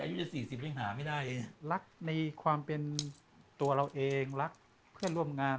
อายุจะ๔๐ยังหาไม่ได้เองรักในความเป็นตัวเราเองรักเพื่อนร่วมงาน